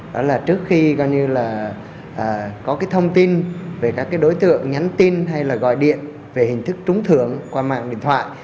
đó là trước khi là có cái thông tin về các đối tượng nhắn tin hay là gọi điện về hình thức trúng thưởng qua mạng điện thoại